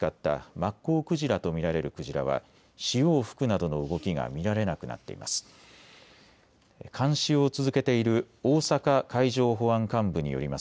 マッコウクジラと見られるクジラは潮を吹くなどの動きが見られなくなっています。